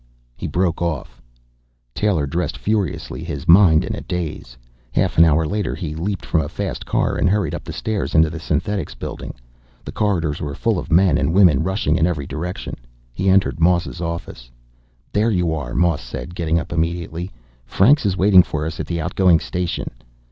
He broke off. Taylor dressed furiously, his mind in a daze. Half an hour later, he leaped from a fast car and hurried up the stairs into the Synthetics Building. The corridors were full of men and women rushing in every direction. He entered Moss's office. "There you are," Moss said, getting up immediately. "Franks is waiting for us at the outgoing station."